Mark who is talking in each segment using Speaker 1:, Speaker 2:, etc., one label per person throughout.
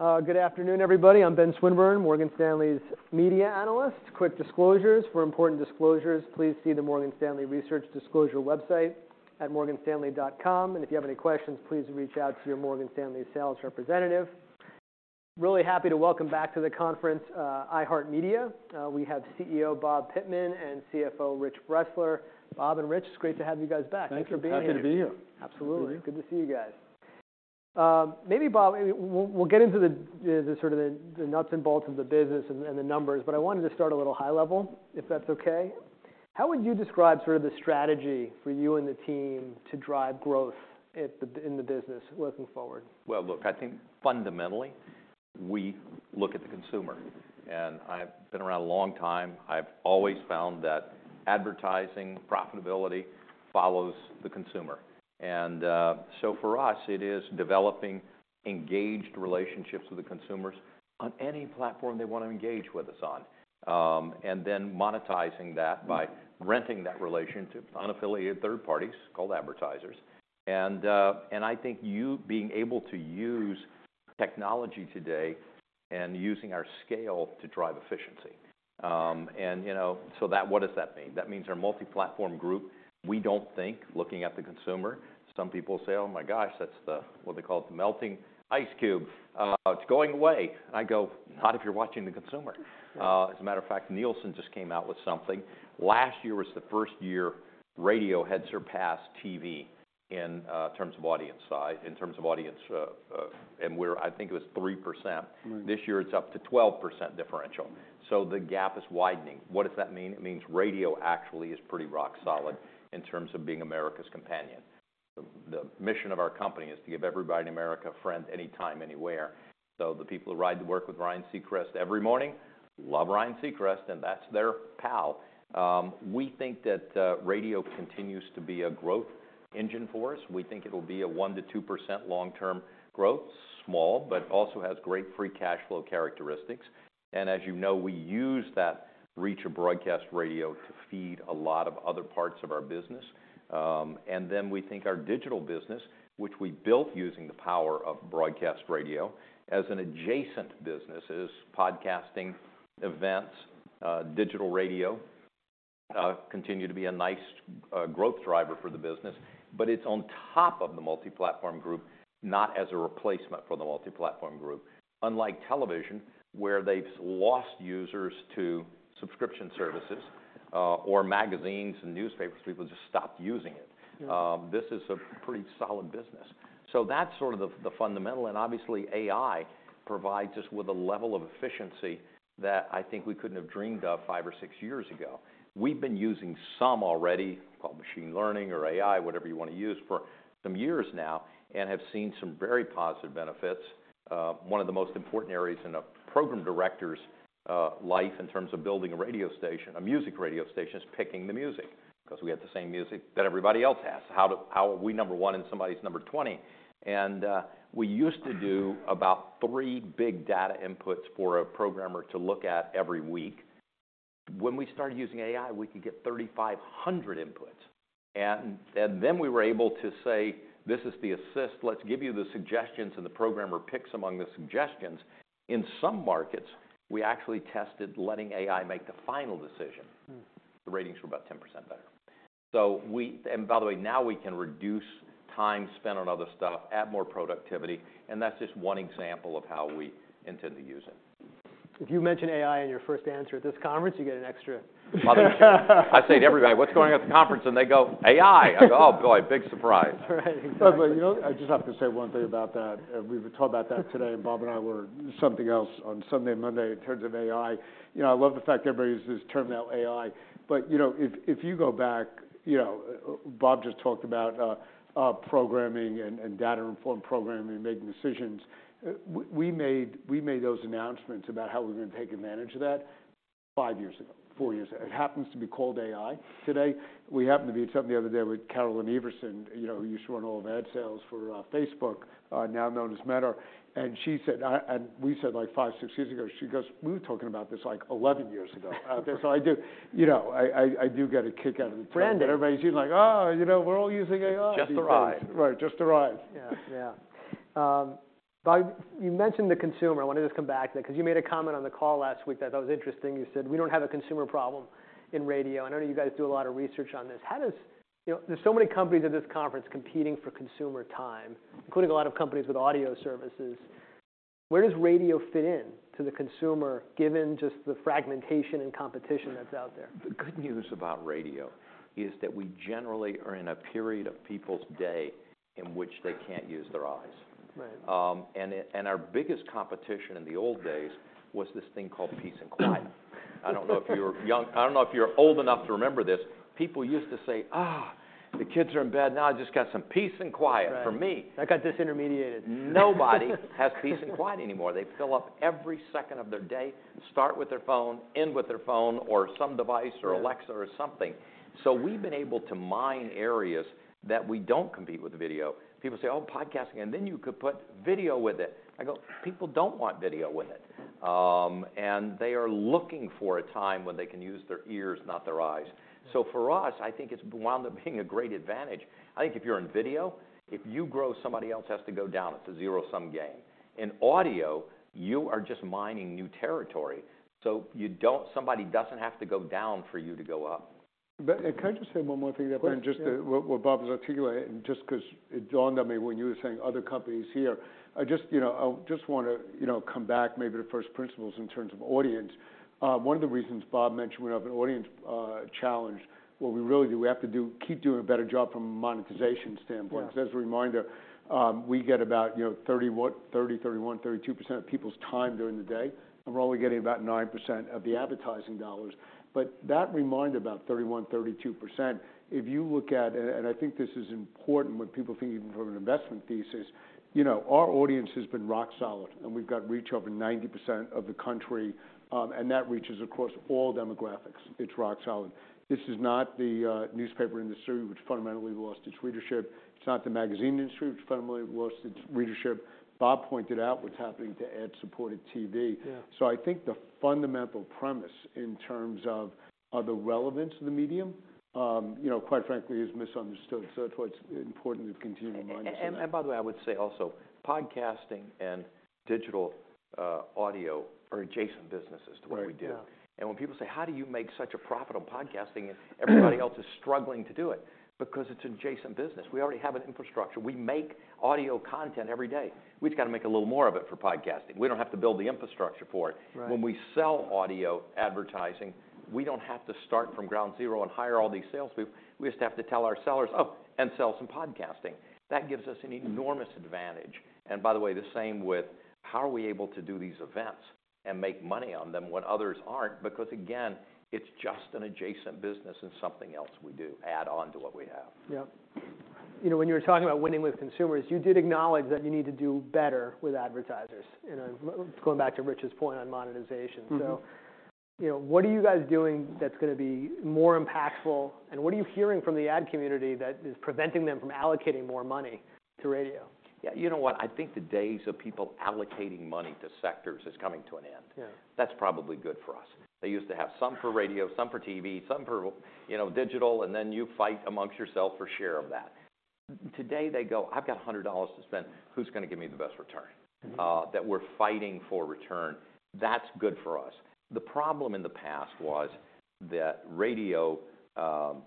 Speaker 1: Good afternoon, everybody. I'm Ben Swinburne, Morgan Stanley's media analyst. Quick disclosures: for important disclosures, please see the Morgan Stanley Research Disclosure website at morganstanley.com, and if you have any questions, please reach out to your Morgan Stanley sales representative. Really happy to welcome back to the conference iHeartMedia. We have CEO Bob Pittman and CFO Rich Bressler. Bob and Rich, it's great to have you guys back. Thanks for being here.
Speaker 2: Happy to be here.
Speaker 1: Absolutely. Good to see you guys. Maybe, Bob, we'll get into sort of the nuts and bolts of the business and the numbers, but I wanted to start a little high level, if that's OK. How would you describe sort of the strategy for you and the team to drive growth in the business looking forward?
Speaker 2: Well, look, I think fundamentally we look at the consumer. I've been around a long time. I've always found that advertising profitability follows the consumer. For us, it is developing engaged relationships with the consumers on any platform they want to engage with us on, and then monetizing that by renting that relationship to unaffiliated third parties called advertisers. I think you being able to use technology today and using our scale to drive efficiency. What does that mean? That means our Multiplatform Group, we don't think, looking at the consumer, some people say, oh my gosh, that's the what they call it, the melting ice cube. It's going away. I go, not if you're watching the consumer. As a matter of fact, Nielsen just came out with something. Last year was the first year radio had surpassed TV in terms of audience size, in terms of audience, and I think it was 3%. This year it's up to 12% differential. So the gap is widening. What does that mean? It means radio actually is pretty rock solid in terms of being America's companion. The mission of our company is to give everybody in America a friend anytime, anywhere. So the people who ride to work with Ryan Seacrest every morning love Ryan Seacrest, and that's their pal. We think that radio continues to be a growth engine for us. We think it'll be a 1%-2% long-term growth, small, but also has great free cash flow characteristics. And as you know, we use that reach of broadcast radio to feed a lot of other parts of our business. And then we think our digital business, which we built using the power of broadcast radio, as an adjacent business as podcasting, events, digital radio continue to be a nice growth driver for the business. But it's on top of the Multiplatform Group, not as a replacement for the Multiplatform Group. Unlike television, where they've lost users to subscription services or magazines and newspapers, people just stopped using it. This is a pretty solid business. So that's sort of the fundamental. And obviously, AI provides us with a level of efficiency that I think we couldn't have dreamed of five or six years ago. We've been using some already, called machine learning or AI, whatever you want to use, for some years now, and have seen some very positive benefits. One of the most important areas in a program director's life in terms of building a radio station, a music radio station, is picking the music because we have the same music that everybody else has. How are we number one and somebody's number 20? We used to do about three big data inputs for a programmer to look at every week. When we started using AI, we could get 3,500 inputs. Then we were able to say, this is the assist. Let's give you the suggestions, and the programmer picks among the suggestions. In some markets, we actually tested letting AI make the final decision. The ratings were about 10% better. By the way, now we can reduce time spent on other stuff, add more productivity. That's just one example of how we intend to use it.
Speaker 1: If you mention AI in your first answer at this conference, you get an extra.
Speaker 2: Mother chicken. I say to everybody, what's going on at the conference? And they go, AI. I go, oh boy, big surprise.
Speaker 1: Right. Exactly.
Speaker 3: But you know I just have to say one thing about that. We've talked about that today, and Bob and I were something else on Sunday and Monday in terms of AI. You know I love the fact everybody uses the term now, AI. But you know if you go back, you know Bob just talked about programming and data-informed programming and making decisions. We made those announcements about how we were going to take advantage of that 5 years ago, 4 years ago. It happens to be called AI today. We happened to meet something the other day with Carolyn Everson, who used to run all of ad sales for Facebook, now known as Meta. And we said like 5, 6 years ago, she goes, we were talking about this like 11 years ago out there. So I do, you know, get a kick out of the talk.
Speaker 1: Branded.
Speaker 3: But everybody's using like, oh, you know we're all using AI.
Speaker 2: Just arrived.
Speaker 3: Right, just arrived.
Speaker 1: Yeah, yeah. Bob, you mentioned the consumer. I want to just come back to that because you made a comment on the call last week that that was interesting. You said, "We don't have a consumer problem in radio." I know you guys do a lot of research on this. There's so many companies at this conference competing for consumer time, including a lot of companies with audio services. Where does radio fit in to the consumer, given just the fragmentation and competition that's out there?
Speaker 2: The good news about radio is that we generally are in a period of people's day in which they can't use their eyes. Our biggest competition in the old days was this thing called peace and quiet. I don't know if you're young. I don't know if you're old enough to remember this. People used to say, the kids are in bed. Now I just got some peace and quiet for me.
Speaker 1: Right. I got this intermediated.
Speaker 2: Nobody has peace and quiet anymore. They fill up every second of their day, start with their phone, end with their phone, or some device, or Alexa, or something. So we've been able to mine areas that we don't compete with video. People say, oh, podcasting, and then you could put video with it. I go, people don't want video with it. And they are looking for a time when they can use their ears, not their eyes. So for us, I think it's wound up being a great advantage. I think if you're in video, if you grow, somebody else has to go down. It's a zero-sum game. In audio, you are just mining new territory. So somebody doesn't have to go down for you to go up.
Speaker 3: But can I just say one more thing there, Ben, just what Bob has articulated, and just because it dawned on me when you were saying other companies here. I just want to come back maybe to first principles in terms of audience. One of the reasons Bob mentioned we have an audience challenge, what we really do, we have to keep doing a better job from a monetization standpoint. As a reminder, we get about 30%, 31%, 32% of people's time during the day. And we're only getting about 9% of the advertising dollars. But that reminder about 31%, 32%, if you look at and I think this is important when people think even from an investment thesis. You know our audience has been rock solid, and we've got reach over 90% of the country. And that reach is across all demographics. It's rock solid. This is not the newspaper industry, which fundamentally lost its readership. It's not the magazine industry, which fundamentally lost its readership. Bob pointed out what's happening to ad-supported TV. So I think the fundamental premise in terms of the relevance of the medium, quite frankly, is misunderstood. So that's why it's important to continue to monetize it.
Speaker 2: And by the way, I would say also, podcasting and digital audio are adjacent businesses to what we do. And when people say, how do you make such a profit on podcasting and everybody else is struggling to do it? Because it's an adjacent business. We already have an infrastructure. We make audio content every day. We just got to make a little more of it for podcasting. We don't have to build the infrastructure for it. When we sell audio advertising, we don't have to start from ground zero and hire all these salespeople. We just have to tell our sellers, oh, and sell some podcasting. That gives us an enormous advantage. And by the way, the same with how are we able to do these events and make money on them when others aren't? Because again, it's just an adjacent business and something else we do add on to what we have.
Speaker 1: Yeah. You know when you were talking about winning with consumers, you did acknowledge that you need to do better with advertisers. Going back to Rich's point on monetization. So what are you guys doing that's going to be more impactful? And what are you hearing from the ad community that is preventing them from allocating more money to radio?
Speaker 2: Yeah, you know what? I think the days of people allocating money to sectors is coming to an end. That's probably good for us. They used to have some for radio, some for TV, some for digital, and then you fight amongst yourself for share of that. Today they go, I've got $100 to spend. Who's going to give me the best return? That we're fighting for return. That's good for us. The problem in the past was that radio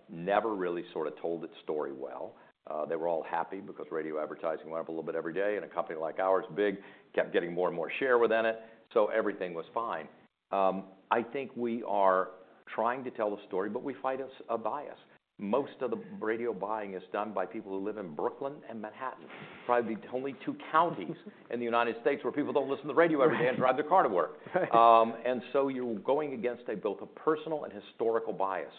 Speaker 2: never really sort of told its story well. They were all happy because radio advertising went up a little bit every day. And a company like ours, big, kept getting more and more share within it. So everything was fine. I think we are trying to tell the story, but we fight a bias. Most of the radio buying is done by people who live in Brooklyn and Manhattan, probably the only two counties in the United States where people don't listen to radio every day and drive their car to work. And so you're going against both a personal and historical bias.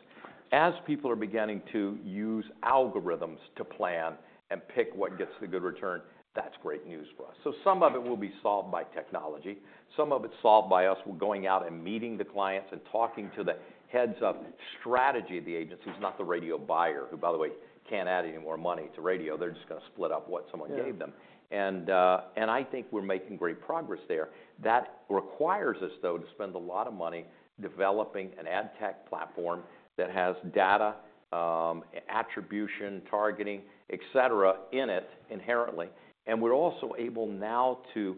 Speaker 2: As people are beginning to use algorithms to plan and pick what gets the good return, that's great news for us. So some of it will be solved by technology. Some of it's solved by us going out and meeting the clients and talking to the heads of strategy of the agency, who's not the radio buyer, who, by the way, can't add any more money to radio. They're just going to split up what someone gave them. And I think we're making great progress there. That requires us, though, to spend a lot of money developing an ad tech platform that has data, attribution, targeting, et cetera, in it inherently. And we're also able now to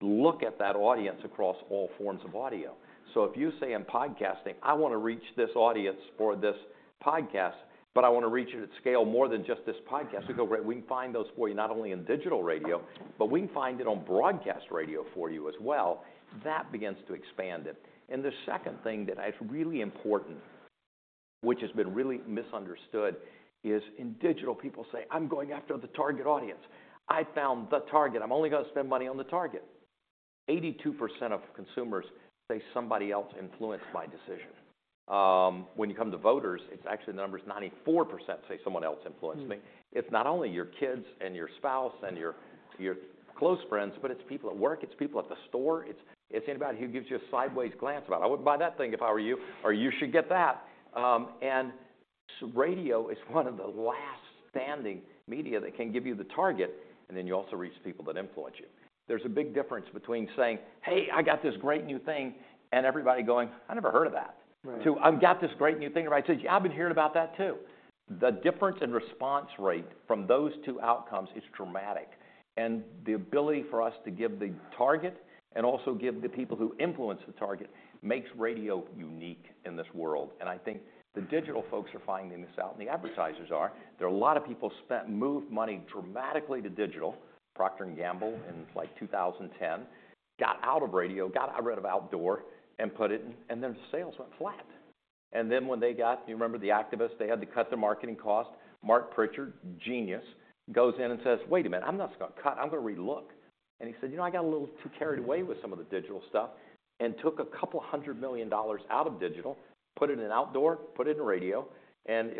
Speaker 2: look at that audience across all forms of audio. So if you say in podcasting, I want to reach this audience for this podcast, but I want to reach it at scale more than just this podcast, we go, great. We can find those for you not only in digital radio, but we can find it on broadcast radio for you as well. That begins to expand it. And the second thing that is really important, which has been really misunderstood, is in digital, people say, I'm going after the target audience. I found the target. I'm only going to spend money on the target. 82% of consumers say somebody else influenced my decision. When you come to voters, it's actually the numbers 94% say someone else influenced me. It's not only your kids and your spouse and your close friends, but it's people at work. It's people at the store. It's anybody who gives you a sideways glance about, I wouldn't buy that thing if I were you, or you should get that. And radio is one of the last standing media that can give you the target. And then you also reach people that influence you. There's a big difference between saying, hey, I got this great new thing, and everybody going, I never heard of that, to I've got this great new thing. Everybody says, yeah, I've been hearing about that, too. The difference in response rate from those two outcomes is dramatic. And the ability for us to give the target and also give the people who influence the target makes radio unique in this world. And I think the digital folks are finding this out, and the advertisers are. There are a lot of people who spent money dramatically to digital. Procter & Gamble in like 2010 got out of radio, got rid of outdoor, and put it in. And then sales went flat. And then when they got, you remember, the activists, they had to cut their marketing cost. Marc Pritchard, genius, goes in and says, wait a minute. I'm not just going to cut. I'm going to relook. And he said, you know I got a little too carried away with some of the digital stuff and took $200 million out of digital, put it in outdoor, put it in radio.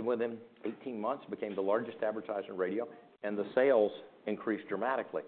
Speaker 2: Within 18 months, it became the largest advertiser in radio. The sales increased dramatically.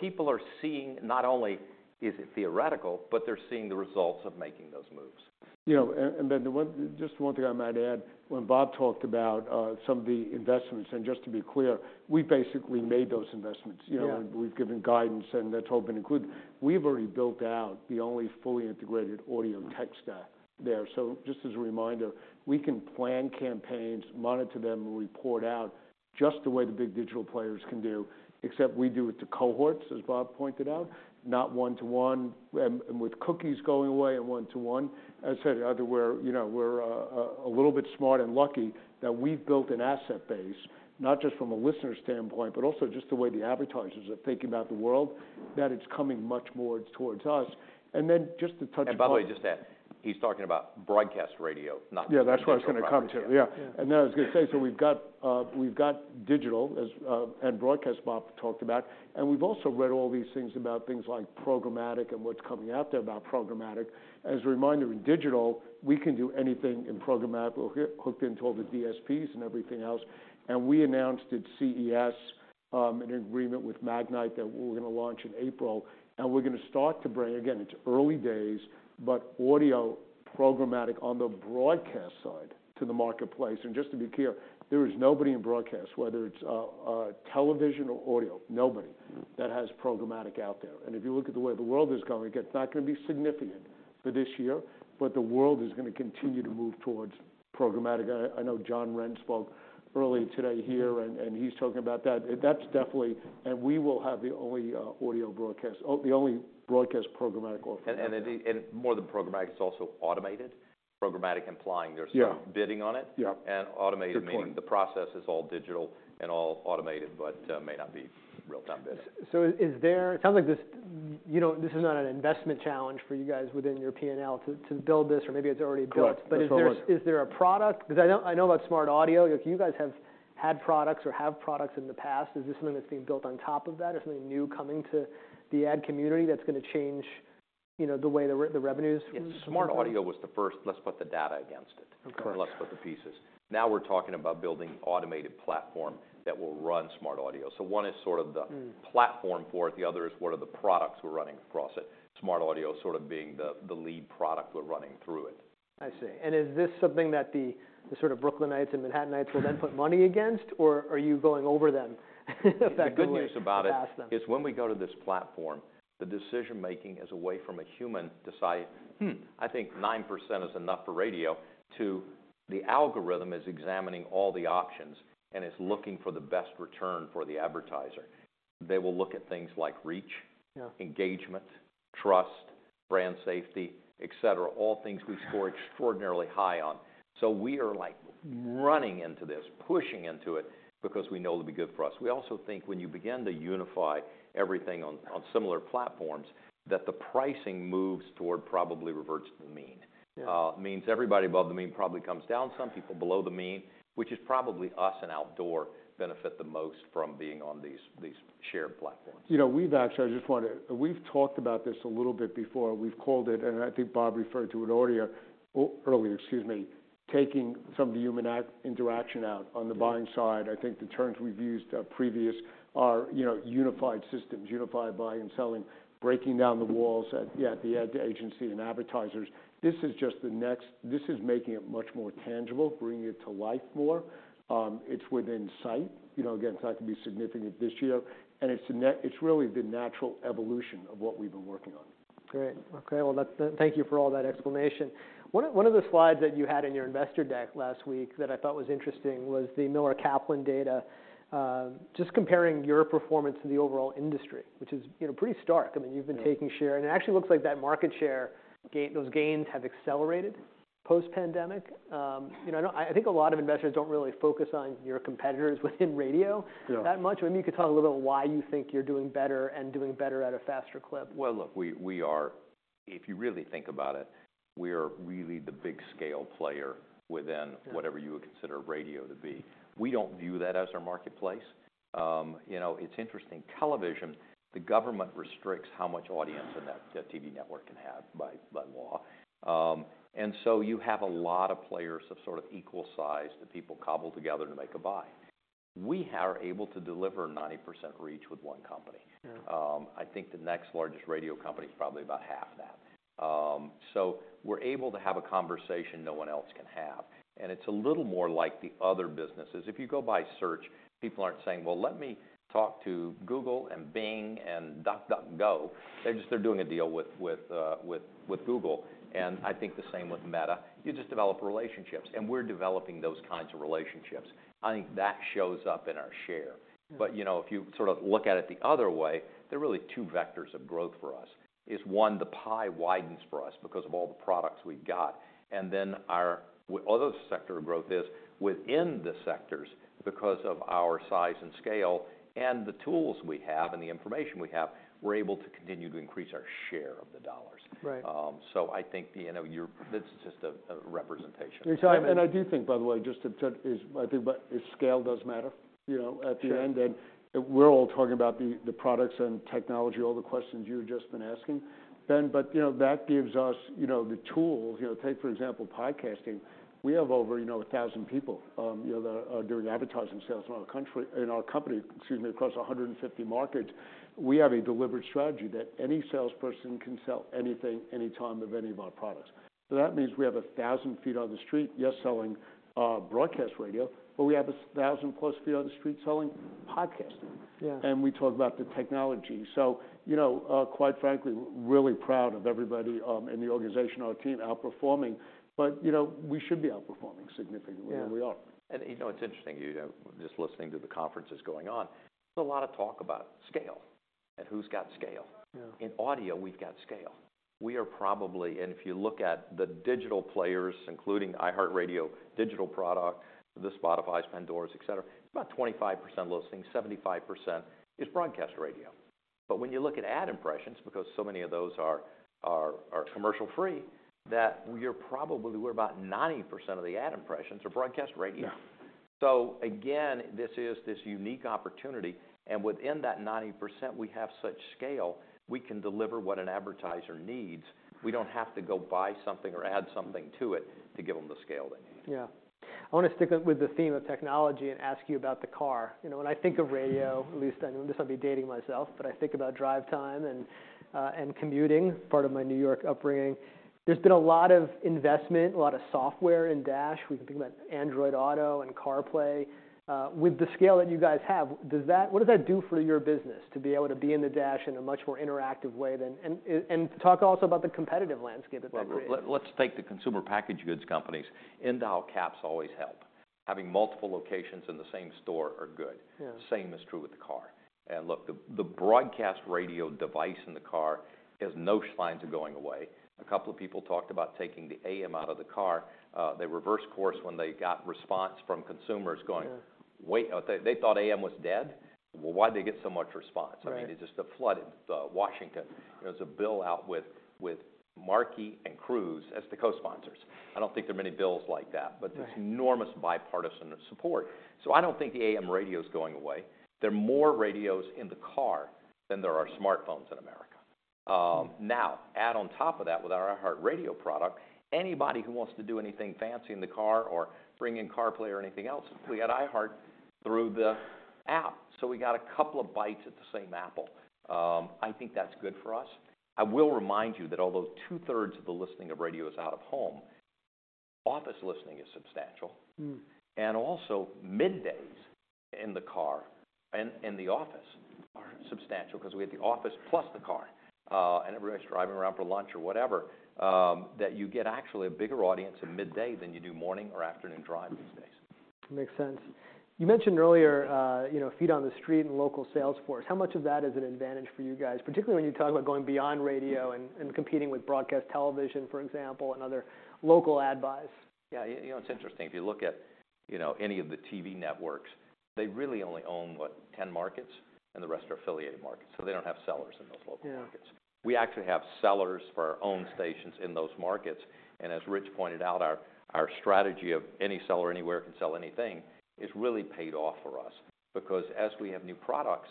Speaker 2: People are seeing not only is it theoretical, but they're seeing the results of making those moves.
Speaker 3: You know, Ben, just one thing I might add. When Bob talked about some of the investments, and just to be clear, we've basically made those investments. You know we've given guidance, and that's all been included. We've already built out the only fully integrated audio tech stack there. So just as a reminder, we can plan campaigns, monitor them, and report out just the way the big digital players can do, except we do it to cohorts, as Bob pointed out, not one-to-one, and with cookies going away and one-to-one. As I said, otherwise, we're a little bit smart and lucky that we've built an asset base, not just from a listener standpoint, but also just the way the advertisers are thinking about the world, that it's coming much more towards us. And then just to touch upon.
Speaker 2: By the way, just that. He's talking about broadcast radio, not digital radio.
Speaker 3: Yeah, that's where I was going to come to. Yeah. And then I was going to say, so we've got digital, and broadcast, Bob talked about. And we've also read all these things about things like programmatic and what's coming out there about programmatic. As a reminder, in digital, we can do anything in programmatic, we're hooked into all the DSPs and everything else. And we announced at CES an agreement with Magnite that we're going to launch in April. And we're going to start to bring again, it's early days, but audio programmatic on the broadcast side to the marketplace. And just to be clear, there is nobody in broadcast, whether it's television or audio, nobody that has programmatic out there. And if you look at the way the world is going, again, it's not going to be significant for this year, but the world is going to continue to move towards programmatic. I know John Wren spoke early today here, and he's talking about that. And we will have the only audio broadcast programmatic offering.
Speaker 2: More than programmatic, it's also automated. Programmatic implying there's some bidding on it. Automated meaning the process is all digital and all automated, but may not be real-time bidding.
Speaker 1: So, is there? It sounds like this is not an investment challenge for you guys within your P&L to build this, or maybe it's already built.
Speaker 2: Correct.
Speaker 1: But is there a product? Because I know about SmartAudio. You guys have had products or have products in the past. Is this something that's being built on top of that, or something new coming to the ad community that's going to change the way the revenues?
Speaker 2: SmartAudio was the first. Let's put the data against it. And let's put the pieces. Now we're talking about building automated platforms that will run SmartAudio. So one is sort of the platform for it. The other is what are the products we're running across it, SmartAudio sort of being the lead product we're running through it.
Speaker 1: I see. And is this something that the sort of Brooklynites and Manhattanites will then put money against, or are you going over them effectively?
Speaker 2: The good news about it is when we go to this platform, the decision making is away from a human deciding. I think 9% is enough for radio to the algorithm is examining all the options, and it's looking for the best return for the advertiser. They will look at things like reach, engagement, trust, brand safety, et cetera, all things we score extraordinarily high on. So we are like running into this, pushing into it, because we know it'll be good for us. We also think when you begin to unify everything on similar platforms, that the pricing moves toward probably reversible mean. Means everybody above the mean probably comes down, some people below the mean, which is probably us and outdoor benefit the most from being on these shared platforms.
Speaker 3: You know, we've actually, I just want to, we've talked about this a little bit before. We've called it, and I think Bob referred to it earlier, taking some of the human interaction out on the buying side. I think the terms we've used previous are unified systems, unified buying and selling, breaking down the walls at the ad agency and advertisers. This is just the next, this is making it much more tangible, bringing it to life more. It's within sight. Again, it's not going to be significant this year. And it's really the natural evolution of what we've been working on.
Speaker 1: Great. OK, well, thank you for all that explanation. One of the slides that you had in your investor deck last week that I thought was interesting was the Miller Kaplan data, just comparing your performance in the overall industry, which is pretty stark. I mean, you've been taking share. And it actually looks like that market share, those gains have accelerated post-pandemic. I think a lot of investors don't really focus on your competitors within radio that much. Maybe you could talk a little bit about why you think you're doing better and doing better at a faster clip.
Speaker 2: Well, look, we are, if you really think about it, we are really the big-scale player within whatever you would consider radio to be. We don't view that as our marketplace. It's interesting. Television, the government restricts how much audience that TV network can have by law. And so you have a lot of players of sort of equal size that people cobble together to make a buy. We are able to deliver 90% reach with one company. I think the next largest radio company is probably about half that. So we're able to have a conversation no one else can have. And it's a little more like the other businesses. If you go by search, people aren't saying, well, let me talk to Google and Bing and DuckDuckGo. They're just doing a deal with Google. And I think the same with Meta. You just develop relationships. We're developing those kinds of relationships. I think that shows up in our share. But you know if you sort of look at it the other way, there are really two vectors of growth for us. Is one, the pie widens for us because of all the products we've got. And then our other sector of growth is within the sectors, because of our size and scale and the tools we have and the information we have, we're able to continue to increase our share of the dollars. So I think that's just a representation.
Speaker 3: I do think, by the way, just to—I think scale does matter at the end. We're all talking about the products and technology, all the questions you've just been asking, Ben. But that gives us the tools. Take, for example, podcasting. We have over 1,000 people that are doing advertising sales in our country in our company, excuse me, across 150 markets. We have a deliberate strategy that any salesperson can sell anything, anytime of any of our products. So that means we have 1,000 feet on the street, yes, selling broadcast radio, but we have 1,000-plus feet on the street selling podcasting. And we talk about the technology. So you know quite frankly, really proud of everybody in the organization, our team, outperforming. But you know we should be outperforming significantly than we are.
Speaker 2: And you know it's interesting. Just listening to the conferences going on, there's a lot of talk about scale and who's got scale. In audio, we've got scale. We are probably and if you look at the digital players, including iHeartMedia's digital product, the Spotify's, Pandora's, et cetera, about 25% of those things, 75% is broadcast radio. But when you look at ad impressions, because so many of those are commercial-free, that you're probably we're about 90% of the ad impressions are broadcast radio. So again, this is this unique opportunity. And within that 90%, we have such scale, we can deliver what an advertiser needs. We don't have to go buy something or add something to it to give them the scale they need.
Speaker 1: Yeah. I want to stick with the theme of technology and ask you about the car. When I think of radio, at least I'm just going to be dating myself, but I think about drive time and commuting, part of my New York upbringing. There's been a lot of investment, a lot of software in the dash. We can think about Android Auto and CarPlay. With the scale that you guys have, what does that do for your business to be able to be in the dash in a much more interactive way than, and talk also about the competitive landscape that that creates?
Speaker 2: Well, let's take the consumer packaged goods companies. End caps always help. Having multiple locations in the same store are good. Same is true with the car. And look, the broadcast radio device in the car has no signs of going away. A couple of people talked about taking the AM out of the car. They reversed course when they got response from consumers going, wait, they thought AM was dead? Well, why'd they get so much response? I mean, it just flooded Washington. There's a bill out with Markey and Cruz as the co-sponsors. I don't think there are many bills like that, but it's enormous bipartisan support. So I don't think the AM radio is going away. There are more radios in the car than there are smartphones in America. Now, add on top of that, with our iHeartMedia radio product, anybody who wants to do anything fancy in the car or bring in CarPlay or anything else, we got iHeartMedia through the app. So we got a couple of bites at the same Apple. I think that's good for us. I will remind you that although 2/3 of the listening of radio is out of home, office listening is substantial. And also, middays in the car and in the office are substantial, because we have the office plus the car. And everybody's driving around for lunch or whatever, that you get actually a bigger audience at midday than you do morning or afternoon drive these days.
Speaker 1: Makes sense. You mentioned earlier feet on the street and local sales force. How much of that is an advantage for you guys, particularly when you talk about going beyond radio and competing with broadcast television, for example, and other local ad buys?
Speaker 2: Yeah, it's interesting. If you look at any of the TV networks, they really only own, what, 10 markets, and the rest are affiliated markets. So they don't have sellers in those local markets. We actually have sellers for our own stations in those markets. And as Rich pointed out, our strategy of any seller anywhere can sell anything is really paid off for us, because as we have new products,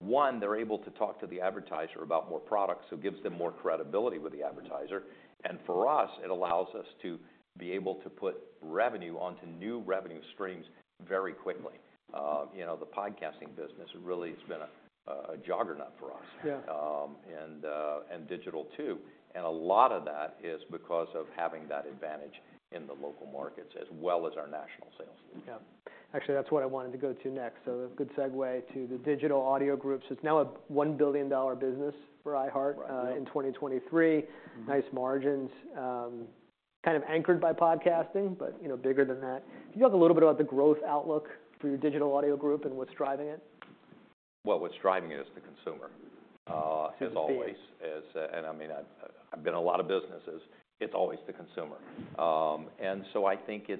Speaker 2: one, they're able to talk to the advertiser about more products, so it gives them more credibility with the advertiser. And for us, it allows us to be able to put revenue onto new revenue streams very quickly. The podcasting business really has been a juggernaut for us, and digital too. And a lot of that is because of having that advantage in the local markets, as well as our national sales.
Speaker 1: Yeah. Actually, that's what I wanted to go to next. So a good segue to the Digital Audio Group. It's now a $1 billion business for iHeartMedia in 2023, nice margins, kind of anchored by podcasting, but bigger than that. Can you talk a little bit about the growth outlook for your Digital Audio Group and what's driving it?
Speaker 2: Well, what's driving it is the consumer, as always. And I mean, I've been in a lot of businesses. It's always the consumer. And so I think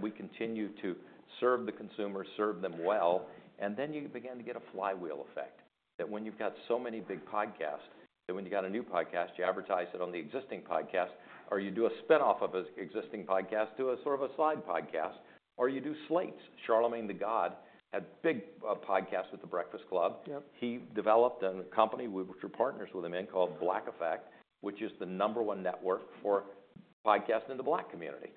Speaker 2: we continue to serve the consumer, serve them well. And then you begin to get a flywheel effect, that when you've got so many big podcasts, that when you've got a new podcast, you advertise it on the existing podcast, or you do a spin-off of an existing podcast, do sort of a side podcast, or you do slates. Charlamagne tha God had a big podcast with The Breakfast Club. He developed a company which we're partners with him in called Black Effect, which is the number one network for podcasting in the Black community.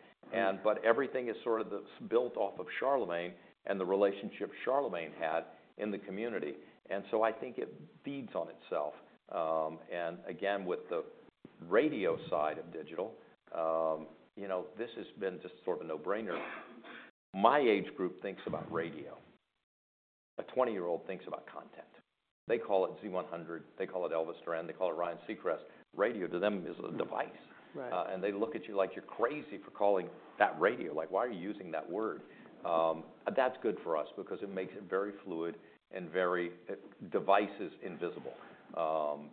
Speaker 2: But everything is sort of built off of Charlamagne and the relationship Charlamagne had in the community. And so I think it feeds on itself. And again, with the radio side of digital, this has been just sort of a no-brainer. My age group thinks about radio. A 20-year-old thinks about content. They call it Z100. They call it Elvis Duran. They call it Ryan Seacrest. Radio, to them, is a device. And they look at you like you're crazy for calling that radio. Like, why are you using that word? That's good for us, because it makes it very fluid and very devices invisible.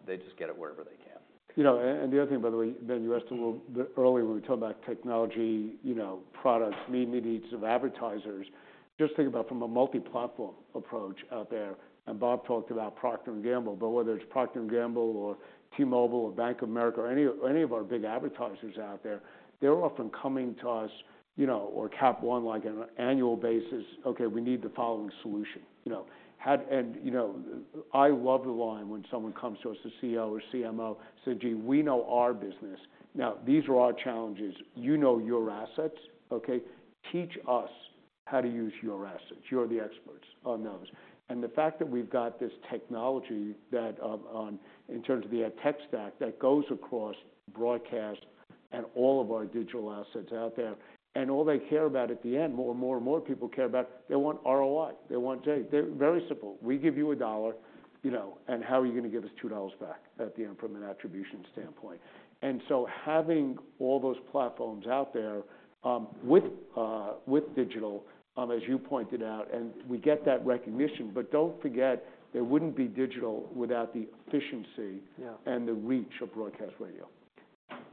Speaker 2: They just get it wherever they can.
Speaker 3: You know, and the other thing, by the way, Ben, you asked earlier when we talked about technology, products, needs of advertisers. Just think about from a multi-platform approach out there. And Bob talked about Procter & Gamble. But whether it's Procter & Gamble or T-Mobile or Bank of America or any of our big advertisers out there, they're often coming to us or Capital One, like, on an annual basis, OK, we need the following solution. And I love the line when someone comes to us, the CEO or CMO, say, gee, we know our business. Now, these are our challenges. You know your assets. OK, teach us how to use your assets. You're the experts on those. And the fact that we've got this technology that, in terms of the ad tech stack, that goes across broadcast and all of our digital assets out there, and all they care about at the end, more and more and more people care about, they want ROI. They want very simple. We give you $1. And how are you going to give us $2 back at the end from an attribution standpoint? And so having all those platforms out there with digital, as you pointed out, and we get that recognition. But don't forget, there wouldn't be digital without the efficiency and the reach of broadcast radio.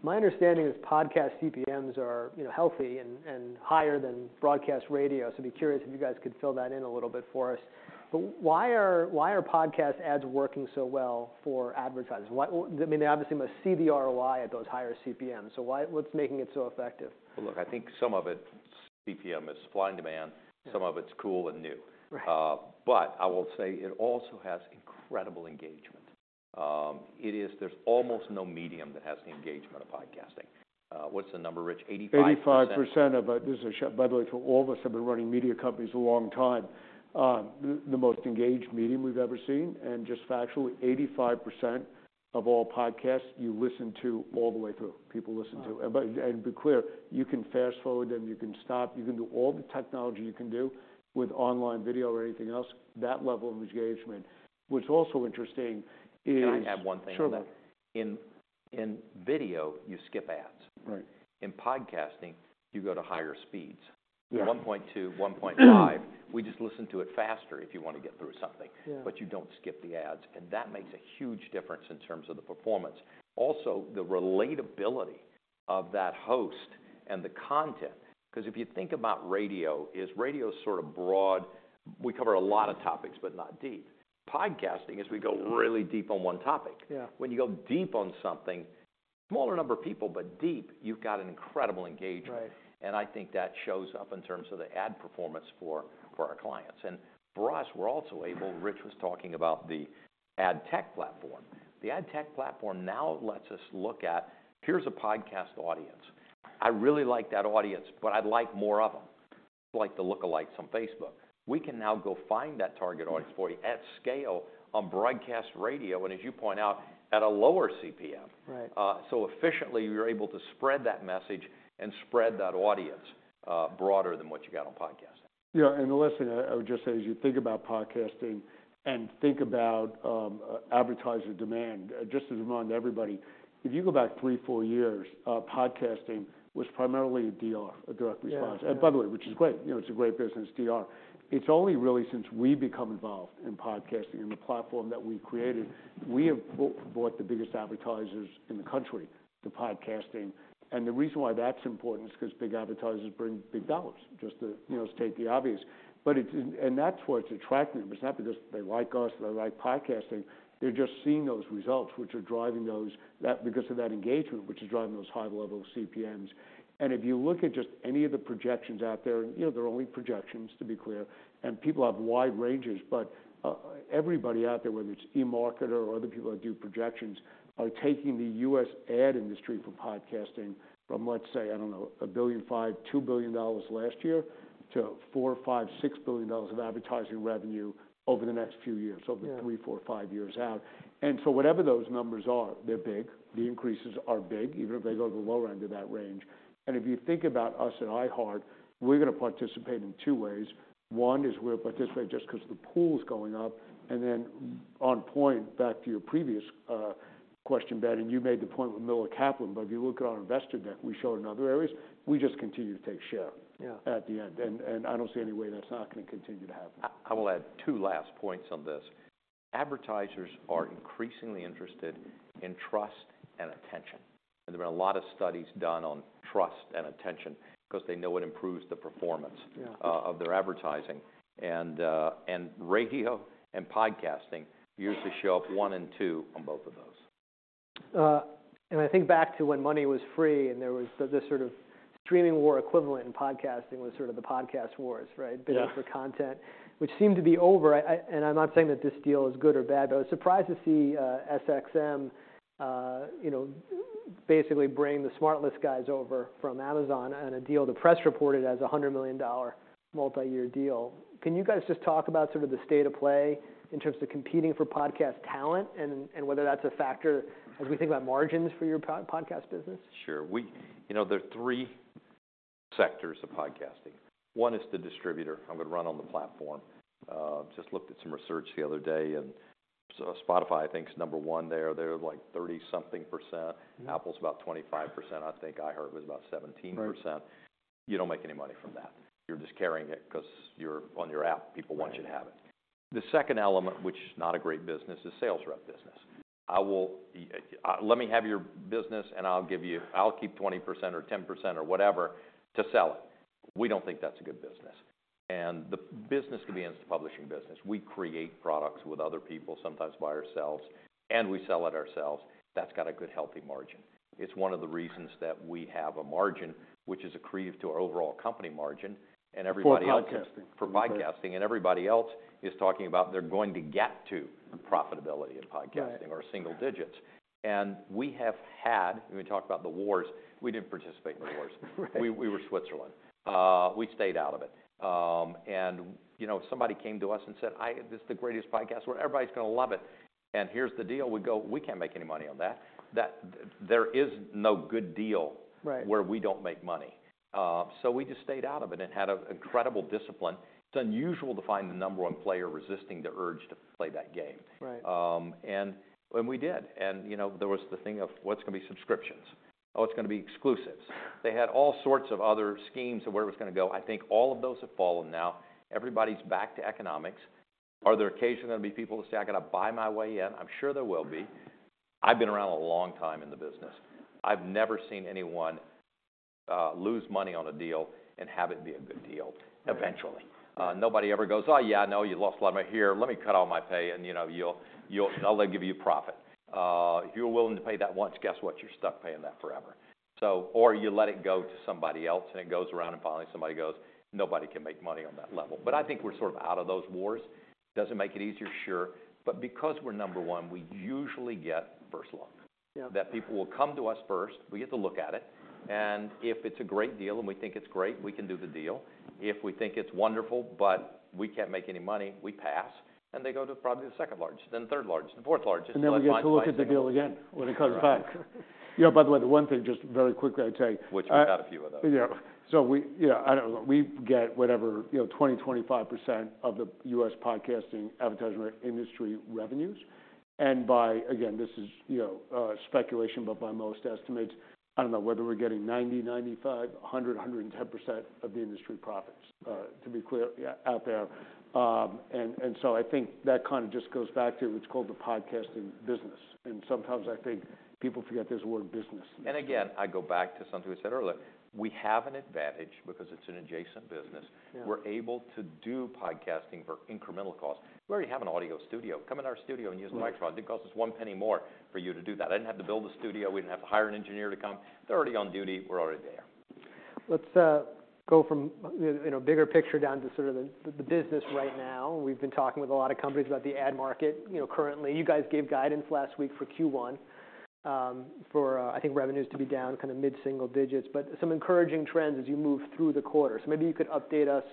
Speaker 1: My understanding is podcast CPMs are healthy and higher than broadcast radio. So I'd be curious if you guys could fill that in a little bit for us. But why are podcast ads working so well for advertisers? I mean, they obviously must see the ROI at those higher CPMs. So what's making it so effective?
Speaker 2: Well, look, I think some of it CPM is flying demand. Some of it's cool and new. But I will say it also has incredible engagement. There's almost no medium that has the engagement of podcasting. What's the number, Rich?
Speaker 3: 85% of it. This is a shot, by the way, for all of us that have been running media companies a long time, the most engaged medium we've ever seen. Just factually, 85% of all podcasts you listen to all the way through, people listen to. Be clear, you can fast forward them. You can stop. You can do all the technology you can do with online video or anything else. That level of engagement. What's also interesting is.
Speaker 2: Can I add one thing on that?
Speaker 3: Sure.
Speaker 2: In video, you skip ads. In podcasting, you go to higher speeds, 1.2, 1.5. We just listen to it faster if you want to get through something. But you don't skip the ads. That makes a huge difference in terms of the performance, also the relatability of that host and the content. Because if you think about radio, is radio sort of broad we cover a lot of topics, but not deep. Podcasting is we go really deep on one topic. When you go deep on something, smaller number of people, but deep, you've got an incredible engagement. I think that shows up in terms of the ad performance for our clients. For us, we're also able Rich was talking about the ad Tech platform. The ad Tech platform now lets us look at, here's a podcast audience. I really like that audience, but I'd like more of them. It's like the lookalikes on Facebook. We can now go find that target audience for you at scale on broadcast radio, and as you point out, at a lower CPM. So efficiently, you're able to spread that message and spread that audience broader than what you got on podcasting.
Speaker 3: Yeah. And the last thing I would just say, as you think about podcasting and think about advertiser demand, just to remind everybody, if you go back 3, 4 years, podcasting was primarily a DR, a direct response. And by the way, which is great. It's a great business, DR. It's only really since we become involved in podcasting and the platform that we created, we have brought the biggest advertisers in the country to podcasting. And the reason why that's important is because big advertisers bring big dollars, just to state the obvious. And that's what's attracting them. It's not because they like us or they like podcasting. They're just seeing those results, which are driving those because of that engagement, which is driving those high-level CPMs. And if you look at just any of the projections out there, they're only projections, to be clear. And people have wide ranges. But everybody out there, whether it's eMarketer or other people that do projections, are taking the U.S. ad industry for podcasting from, let's say, I don't know, $1.5 billion-$2 billion last year to $4-$6 billion of advertising revenue over the next few years, over the three, four, five years out. And so whatever those numbers are, they're big. The increases are big, even if they go to the lower end of that range. And if you think about us at iHeartMedia, we're going to participate in two ways. One is we'll participate just because the pool is going up. And then on point, back to your previous question, Ben, and you made the point with Miller Kaplan, but if you look at our investor deck, we showed in other areas, we just continue to take share at the end. I don't see any way that's not going to continue to happen.
Speaker 2: I will add two last points on this. Advertisers are increasingly interested in trust and attention. And there have been a lot of studies done on trust and attention, because they know it improves the performance of their advertising. And radio and podcasting usually show up one and two on both of those.
Speaker 1: And I think back to when money was free, and there was this sort of streaming war equivalent in podcasting was sort of the podcast wars, right, bidding for content, which seemed to be over. And I'm not saying that this deal is good or bad. But I was surprised to see SXM basically bring the SmartLess guys over from Amazon on a deal the press reported as a $100 million multi-year deal. Can you guys just talk about sort of the state of play in terms of competing for podcast talent and whether that's a factor as we think about margins for your podcast business?
Speaker 2: Sure. There are three sectors of podcasting. One is the distributor. I'm going to run on the platform. Just looked at some research the other day. And Spotify, I think, is number one there. They're like 30-something%. Apple's about 25%, I think. iHeartMedia was about 17%. You don't make any money from that. You're just carrying it, because on your app, people want you to have it. The second element, which is not a great business, is sales rep business. Let me have your business, and I'll keep 20% or 10% or whatever to sell it. We don't think that's a good business. And the business begins the publishing business. We create products with other people, sometimes by ourselves, and we sell it ourselves. That's got a good, healthy margin. It's one of the reasons that we have a margin, which is accretive to our overall company margin.
Speaker 3: For podcasting.
Speaker 2: For podcasting. And everybody else is talking about they're going to get to profitability in podcasting or single digits. And we have had, when we talk about the wars, we didn't participate in the wars. We were Switzerland. We stayed out of it. And somebody came to us and said, this is the greatest podcast world. Everybody's going to love it. And here's the deal. We go, we can't make any money on that. There is no good deal where we don't make money. So we just stayed out of it and had incredible discipline. It's unusual to find the number one player resisting the urge to play that game. And we did. And there was the thing of, what's going to be subscriptions? Oh, it's going to be exclusives. They had all sorts of other schemes of where it was going to go. I think all of those have fallen now. Everybody's back to economics. Are there occasionally going to be people to say, I've got to buy my way in? I'm sure there will be. I've been around a long time in the business. I've never seen anyone lose money on a deal and have it be a good deal eventually. Nobody ever goes, oh, yeah, no, you lost a lot of money. Let me cut all my pay, and I'll give you profit. If you're willing to pay that once, guess what? You're stuck paying that forever. Or you let it go to somebody else, and it goes around, and finally, somebody goes, nobody can make money on that level. But I think we're sort of out of those wars. Does it make it easier? Sure. Because we're number one, we usually get first look, that people will come to us first. We get to look at it. If it's a great deal and we think it's great, we can do the deal. If we think it's wonderful, but we can't make any money, we pass. They go to probably the second largest, then third largest, and fourth largest.
Speaker 3: Then we get to look at the deal again when it comes back. Yeah, by the way, the one thing, just very quickly, I'd say.
Speaker 2: Which we've had a few of those.
Speaker 3: Yeah. So we get whatever 20%, 25% of the U.S. podcasting advertising industry revenues. And by again, this is speculation, but by most estimates, I don't know whether we're getting 90%, 95%, 100%, 110% of the industry profits, to be clear, out there. And so I think that kind of just goes back to what's called the podcasting business. And sometimes, I think people forget there's a word business.
Speaker 2: And again, I go back to something we said earlier. We have an advantage, because it's an adjacent business. We're able to do podcasting for incremental costs. We already have an audio studio. Come in our studio and use the microphone. It costs us 1 penny more for you to do that. I didn't have to build a studio. We didn't have to hire an engineer to come. They're already on duty. We're already there.
Speaker 1: Let's go from a bigger picture down to sort of the business right now. We've been talking with a lot of companies about the ad market currently. You guys gave guidance last week for Q1 for, I think, revenues to be down kind of mid-single digits. But some encouraging trends as you move through the quarter. So maybe you could update us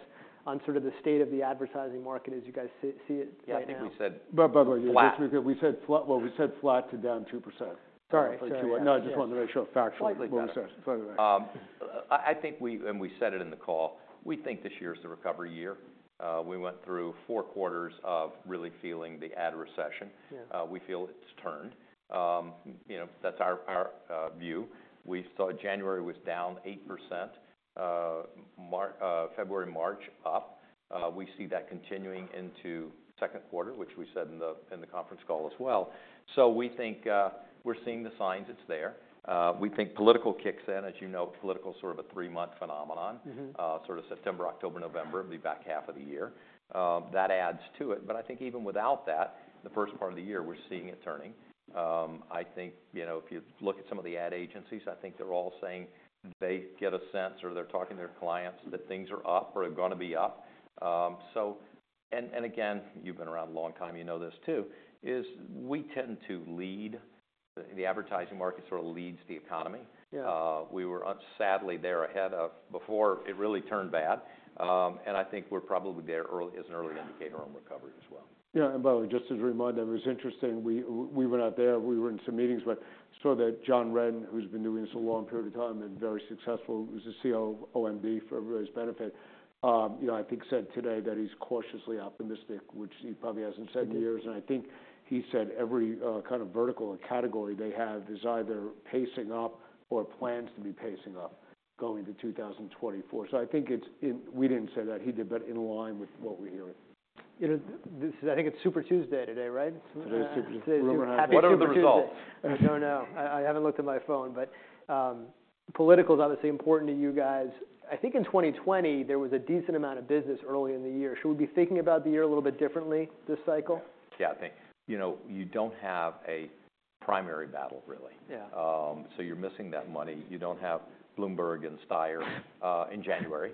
Speaker 1: on sort of the state of the advertising market as you guys see it right now.
Speaker 2: Yeah, I think we said.
Speaker 3: But by the way, Rich, we said flat. Well, we said flat to -2%.
Speaker 1: Sorry.
Speaker 3: No, I just wanted to make sure factually.
Speaker 2: Slightly flat.
Speaker 3: By the way.
Speaker 2: I think we and we said it in the call. We think this year is the recovery year. We went through four quarters of really feeling the ad recession. We feel it's turned. That's our view. We saw January was down 8%, February, March up. We see that continuing into second quarter, which we said in the conference call as well. So we think we're seeing the signs it's there. We think political kicks in. As you note, political is sort of a three-month phenomenon, sort of September, October, November, the back half of the year. That adds to it. But I think even without that, the first part of the year, we're seeing it turning. I think if you look at some of the ad agencies, I think they're all saying they get a sense, or they're talking to their clients, that things are up or are going to be up. And again, you've been around a long time. You know this, too, is we tend to lead. The advertising market sort of leads the economy. We were sadly there ahead of before it really turned bad. And I think we're probably there is an early indicator on recovery as well.
Speaker 3: Yeah. And by the way, just as a reminder, it was interesting. We were not there. We were in some meetings. But I saw that John Wren, who's been doing this a long period of time and very successful, who's the CEO for everybody's benefit, I think said today that he's cautiously optimistic, which he probably hasn't said in years. And I think he said every kind of vertical or category they have is either pacing up or plans to be pacing up going to 2024. So I think it's we didn't say that. He did better in line with what we're hearing.
Speaker 1: I think it's Super Tuesday today, right?
Speaker 3: Today is Super Tuesday.
Speaker 2: What are the results?
Speaker 1: No, no. I haven't looked at my phone. But political is obviously important to you guys. I think in 2020, there was a decent amount of business early in the year. Should we be thinking about the year a little bit differently this cycle?
Speaker 2: Yeah. I think you don't have a primary battle, really. So you're missing that money. You don't have Bloomberg and Steyer in January,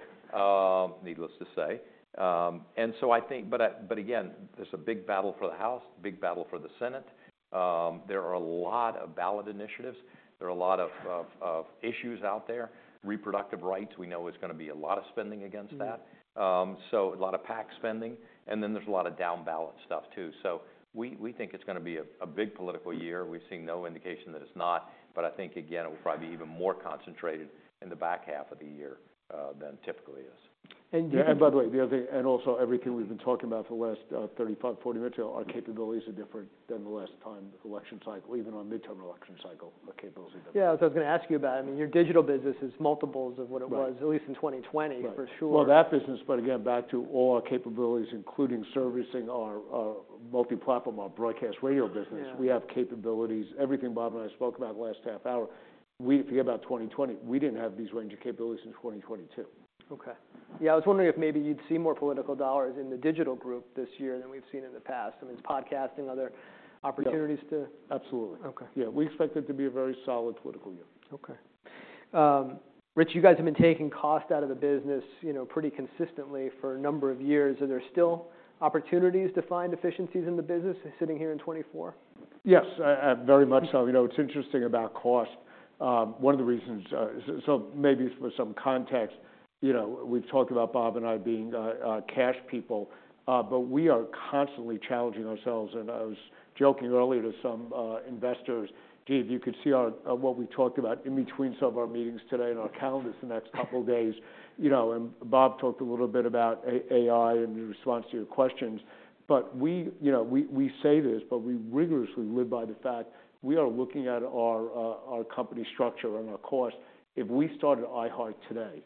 Speaker 2: needless to say. And so I think, but again, there's a big battle for the House, big battle for the Senate. There are a lot of ballot initiatives. There are a lot of issues out there, reproductive rights. We know there's going to be a lot of spending against that, so a lot of PAC spending. And then there's a lot of down ballot stuff, too. So we think it's going to be a big political year. We've seen no indication that it's not. But I think, again, it will probably be even more concentrated in the back half of the year than typically is.
Speaker 3: And by the way, the other thing and also everything we've been talking about for the last 35, 40 minutes here, our capabilities are different than the last time election cycle, even on midterm election cycle, our capabilities are different.
Speaker 1: Yeah. That's what I was going to ask you about. I mean, your digital business is multiples of what it was, at least in 2020, for sure.
Speaker 3: Well, that business, but again, back to all our capabilities, including servicing our multi-platform, our broadcast radio business, we have capabilities. Everything Bob and I spoke about the last half hour, if you think about 2020, we didn't have these range of capabilities in 2022.
Speaker 1: OK. Yeah. I was wondering if maybe you'd see more political dollars in the digital group this year than we've seen in the past. I mean, is podcasting other opportunities to?
Speaker 3: Absolutely. Yeah. We expect it to be a very solid political year.
Speaker 1: OK. Rich, you guys have been taking cost out of the business pretty consistently for a number of years. Are there still opportunities to find efficiencies in the business sitting here in 2024?
Speaker 3: Yes, very much so. It's interesting about cost. One of the reasons so maybe for some context, we've talked about Bob and I being cash people. But we are constantly challenging ourselves. And I was joking earlier to some investors, gee, if you could see what we talked about in between some of our meetings today and our calendars the next couple of days. And Bob talked a little bit about AI and the response to your questions. But we say this, but we rigorously live by the fact we are looking at our company structure and our costs. If we started iHeartMedia today,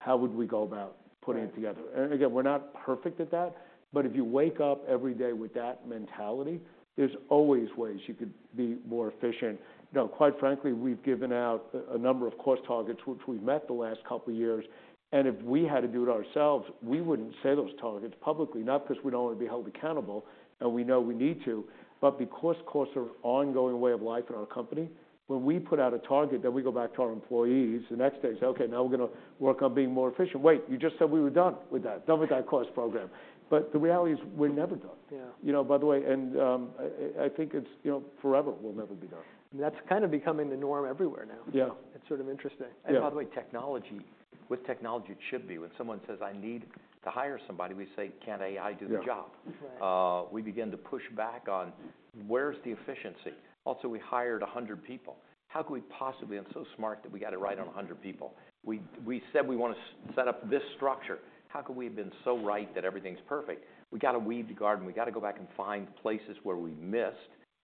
Speaker 3: how would we go about putting it together? And again, we're not perfect at that. But if you wake up every day with that mentality, there's always ways you could be more efficient. Quite frankly, we've given out a number of cost targets, which we've met the last couple of years. And if we had to do it ourselves, we wouldn't say those targets publicly, not because we don't want to be held accountable, and we know we need to, but because costs are an ongoing way of life in our company. When we put out a target, then we go back to our employees. The next day, say, OK, now we're going to work on being more efficient. Wait, you just said we were done with that, done with that cost program. But the reality is we're never done, by the way. And I think it's forever we'll never be done.
Speaker 1: I mean, that's kind of becoming the norm everywhere now. It's sort of interesting.
Speaker 2: And by the way, technology with technology it should be. When someone says, I need to hire somebody, we say, can't AI do the job? We begin to push back on where's the efficiency? Also, we hired 100 people. How could we possibly and so smart that we got it right on 100 people? We said we want to set up this structure. How could we have been so right that everything's perfect? We got to weed the garden. We got to go back and find places where we missed.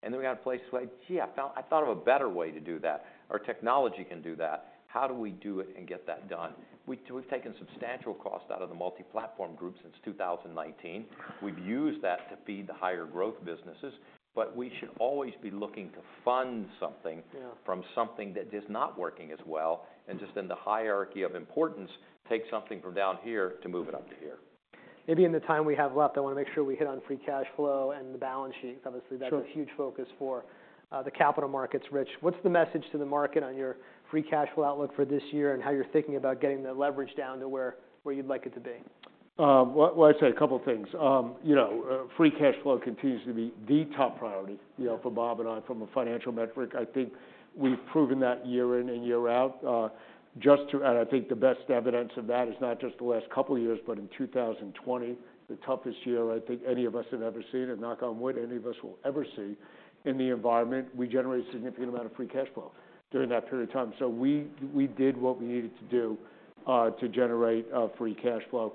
Speaker 2: And then we got a place like, gee, I thought of a better way to do that. Our technology can do that. How do we do it and get that done? We've taken substantial costs out of the Multiplatform Group since 2019. We've used that to feed the higher growth businesses. We should always be looking to fund something from something that is not working as well. Just in the hierarchy of importance, take something from down here to move it up to here.
Speaker 1: Maybe in the time we have left, I want to make sure we hit on free cash flow and the balance sheets. Obviously, that's a huge focus for the capital markets, Rich. What's the message to the market on your free cash flow outlook for this year and how you're thinking about getting the leverage down to where you'd like it to be?
Speaker 3: Well, I'd say a couple of things. Free cash flow continues to be the top priority for Bob and I from a financial metric. I think we've proven that year in and year out. And I think the best evidence of that is not just the last couple of years, but in 2020, the toughest year I think any of us have ever seen, and knock on wood, any of us will ever see in the environment, we generated a significant amount of free cash flow during that period of time. So we did what we needed to do to generate free cash flow.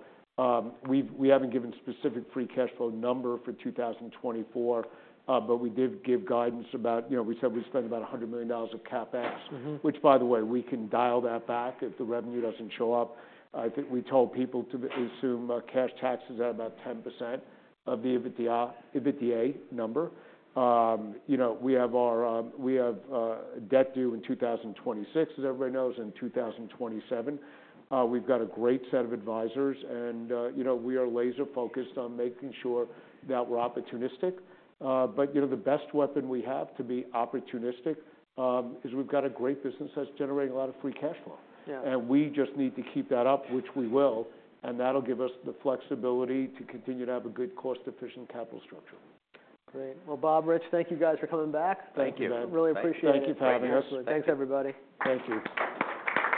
Speaker 3: We haven't given a specific free cash flow number for 2024. But we did give guidance about we said we spent about $100 million of CapEx, which, by the way, we can dial that back if the revenue doesn't show up. I think we told people to assume cash tax is at about 10% of the EBITDA number. We have debt due in 2026, as everybody knows, and in 2027. We've got a great set of advisors. We are laser focused on making sure that we're opportunistic. The best weapon we have to be opportunistic is we've got a great business that's generating a lot of free cash flow. We just need to keep that up, which we will. That'll give us the flexibility to continue to have a good cost-efficient capital structure.
Speaker 1: Great. Well, Bob, Rich, thank you guys for coming back.
Speaker 2: Thank you, man.
Speaker 1: Really appreciate it.
Speaker 3: Thank you for having us.
Speaker 1: Thanks, everybody.
Speaker 3: Thank you.